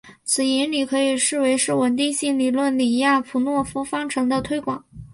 此引理可以视为是稳定性理论李亚普诺夫方程的推广。